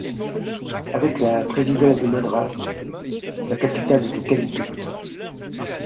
Avec la Présidence de Madras, sa capitale était Calicut.